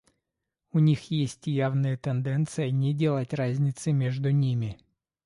У них есть явная тенденция не делать разницы между ними.